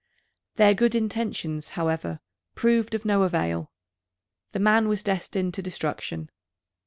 Their good intentions, however, proved of no avail. The man was destined to destruction.